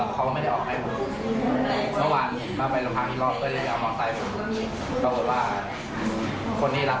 ก็เลยดูเวลาใน๒ตรง๕นาทีจะขอลูกล้องของเถอะ